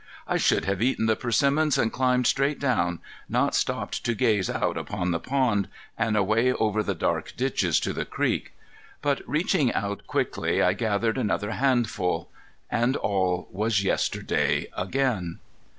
I should have eaten the persimmons and climbed straight down, not stopped to gaze out upon the pond, and away over the dark ditches to the creek. But reaching out quickly I gathered another handful,—and all was yesterday again.